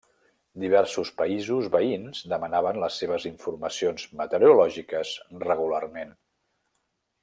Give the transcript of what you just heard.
Diversos països veïns demanaven les seves informacions meteorològiques regularment.